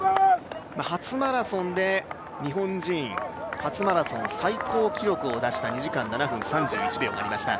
初マラソンで日本人初マラソン最高記録を出した２時間７分３１秒がありました。